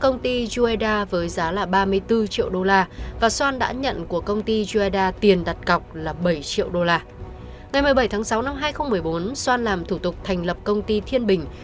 ngày một mươi bảy tháng sáu năm hai nghìn một mươi bốn xoan làm thủ tục thành lập công ty thiên bình